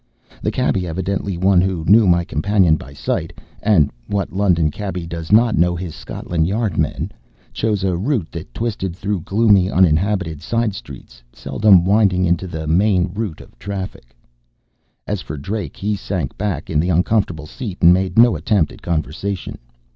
The cabby, evidently one who knew my companion by sight (and what London cabby does not know his Scotland Yard men!) chose a route that twisted through gloomy, uninhabited side streets, seldom winding into the main route of traffic. As for Drake, he sank back in the uncomfortable seat and made no attempt at conversation.